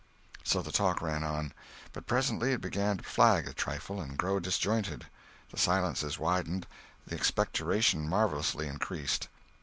So the talk ran on. But presently it began to flag a trifle, and grow disjointed. The silences widened; the expectoration marvellously increased.